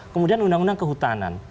kemudian undang undang kehutanan